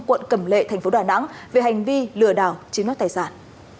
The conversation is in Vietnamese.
quận cẩm lệ thành phố đà nẵng về hành vi lừa đảo chiếm mất tài sản